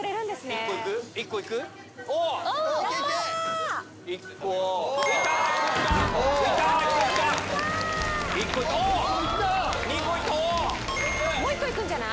２個いった、もう１個いくんじゃない？